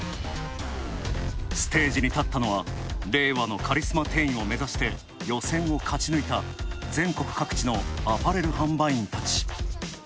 ステージに立ったのは、令和のカリスマ店員を目指して予選を勝ち抜いた全国各地のアパレル販売店たち。